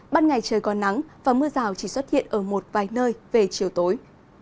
ban ngày trời còn nắng và mưa rào chỉ xuất hiện ở một vài nơi về chiều tối